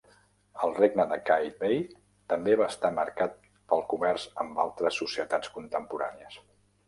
El regne de Qaitbay també va estar marcat pel comerç amb altes societats contemporànies.